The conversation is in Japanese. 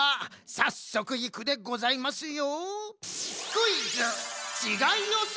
さっそくいくでございますよ。